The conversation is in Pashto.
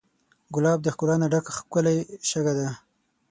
ګلاب د ښکلا نه ډک ښکلی شګه دی.